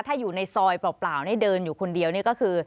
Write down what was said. ถ้าอยู่ในซอยเปล่านี่เดินอยู่คนเดียวนี่ก็คือ